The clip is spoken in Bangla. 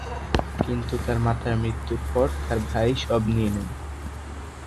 কিন্তু তার মাতার মৃত্যুর পর তার ভাই সব নিয়ে নেন।